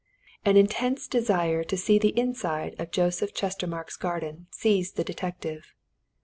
An intense desire to see the inside of Joseph Chestermarke's garden seized the detective.